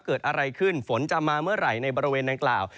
เกิดอะไรขึ้นฝนจะมาเมื่อไหร่ในบริเวณดังกล่าว